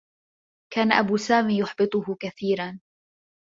كان أب سامي يحبطه كثيرا.